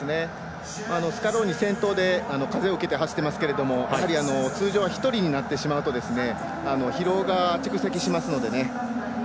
スキャローニ先頭で風を受けて走っていますが、やはり通常は１人になってしまうと疲労が蓄積しますのでね。